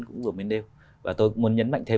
cũng vừa mới nêu và tôi muốn nhấn mạnh thêm